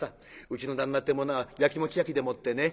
うちの旦那ってものはやきもち焼きでもってね